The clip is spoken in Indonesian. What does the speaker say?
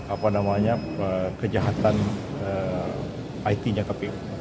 apa namanya kejahatan it nya ke pir